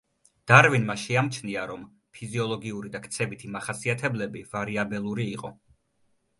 დარვინმა შეამჩნია, რომ ფიზიოლოგიური და ქცევითი მახასიათებლები ვარიაბელური იყო.